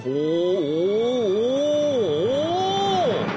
おおお！